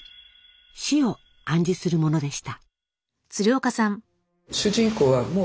死を暗示するものでした。